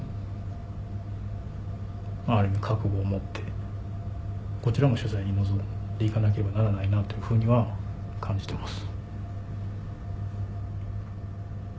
ある意味覚悟を持ってこちらも取材に臨んで行かなければならないなというふうには感じてます。